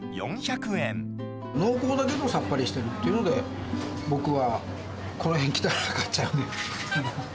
濃厚だけどさっぱりしてるっていうので、僕はこの辺来たら買っちゃうね。